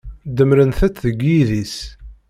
Demmrent-tt deg yidis.